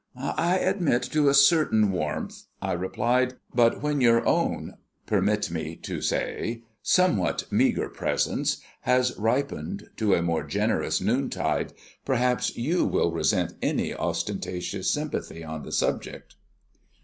"I admit to a certain warmth," I replied; "but when your own, permit me to say, somewhat meagre presence has ripened to a more generous noontide, perhaps you will resent any ostentatious sympathy on the subject."